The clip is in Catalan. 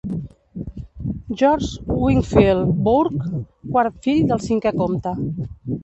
George Wingfield Bourke, quart fill del cinquè comte.